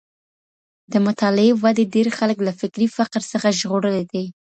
د مطالعې ودې ډېر خلګ له فکري فقر څخه ژغورلي دي.